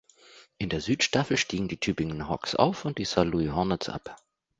In der Südstaffel stiegen die Tübingen Hawks auf und die Saarlouis Hornets ab.